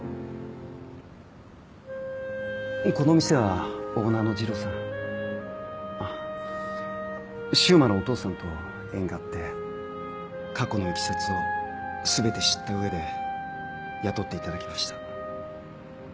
この店はオーナーの次郎さんあっ柊磨のお父さんと縁があって過去のいきさつを全て知ったうえで雇っていただきました。